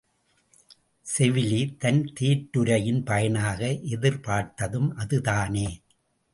செவிலி தன் தேற்றுரையின் பயனாக எதிர்பார்த்ததும் அதுதானே?